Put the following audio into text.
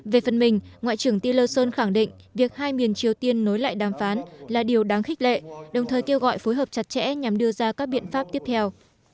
về phần mình ngoại trưởng tin lson khẳng định việc hai miền triều tiên nối lại đàm phán là điều đáng khích lệ đồng thời kêu gọi phối hợp chặt chẽ nhằm đưa ra các biện pháp tiếp theo